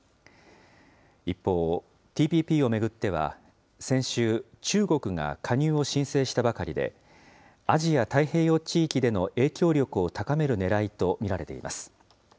一方、ＴＰＰを巡っては、先週、中国が加入を申請したばかりで、アジア太平洋地域での影響力を高めるねらいと見られています。